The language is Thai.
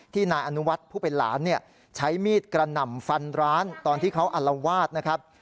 นายอนุวัฒน์ผู้เป็นหลานเนี่ยใช้มีดกระหน่ำฟันร้านตอนที่เขาอัลวาดนะครับ